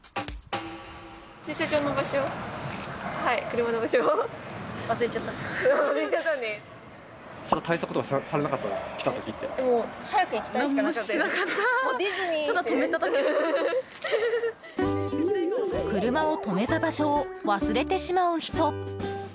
車を止めた場所を忘れてしまう人。